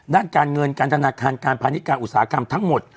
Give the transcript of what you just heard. ด้านการเงินการธนาคารการพาณิชการอุตสาหกรรมทั้งหมด